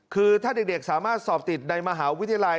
คือถ้าเด็กสามารถสอบติดในมหาวิทยาลัย